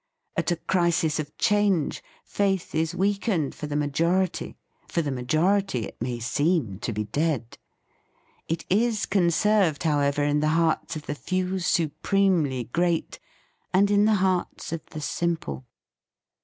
At a crisis of change, faith is weakened for the majority; for the majority it may seem to be dead. It is conserved, however, in the hearts of the few supremely great and in the hearts of the simple.